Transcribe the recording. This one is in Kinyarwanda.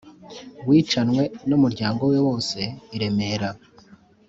wicanwe n'umuryango we wose i remera;